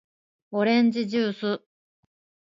おれんじじゅーす